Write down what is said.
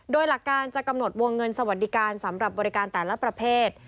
โดยหลักการจะกำหนดวงเงินสวัสดิการสำหรับบริการแต่ละประเภท